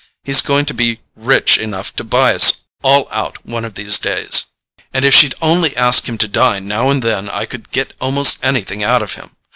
He's going to be rich enough to buy us all out one of these days, and if she'd only ask him to dine now and then I could get almost anything out of him.